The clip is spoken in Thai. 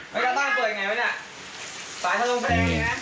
เมื่อก่อนต้านเปิดอย่างไรไหม